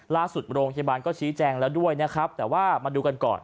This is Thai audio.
โรงพยาบาลก็ชี้แจงแล้วด้วยนะครับแต่ว่ามาดูกันก่อน